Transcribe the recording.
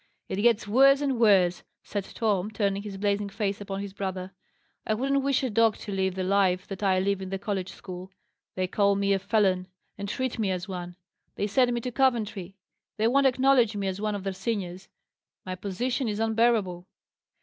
"It gets worse and worse," said Tom, turning his blazing face upon his brother. "I wouldn't wish a dog to live the life that I live in the college school. They call me a felon, and treat me as one; they send me to Coventry; they won't acknowledge me as one of their seniors. My position is unbearable."